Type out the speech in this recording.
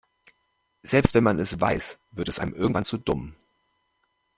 Selbst wenn man es weiß, wird es einem irgendwann zu dumm.